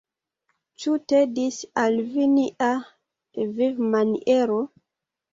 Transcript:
Ĉu tedis al vi nia vivmaniero?